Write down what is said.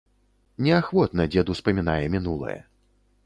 Неахвотна дзед успамінае мінулае.